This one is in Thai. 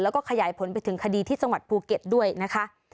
แล้วก็ขยายผลไปถึงคดีที่จังหวัดภูเก็ตด้วยนะคะ